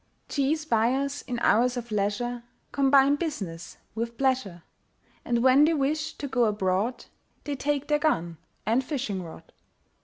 Cheese buyers in hours of leisure Combine business with pleasure, And when they wish to go abroad They take their gun and fishing rod.